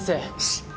しっ！